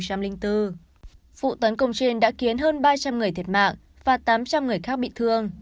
vụ tấn công trên đã khiến hơn ba trăm linh người thiệt mạng và tám trăm linh người khác bị thương